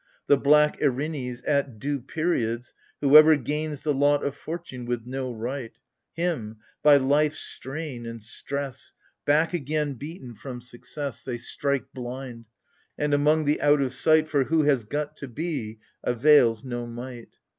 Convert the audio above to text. The black Erinues, at due periods — Whoever gains the lot Of fortune with no right — Him, by life's strain and stress Back again beaten from success, They strike blind : and among the out of sight For who has got to be, avails no might.